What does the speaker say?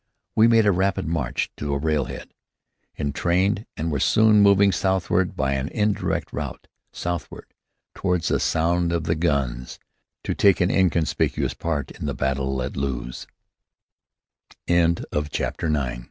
We made a rapid march to a rail head, entrained, and were soon moving southward by an indirect route; southward, toward the sound of the guns, to take an inconspicuous part in the battle at Loos. CHAPTER X NEW LODGINGS I.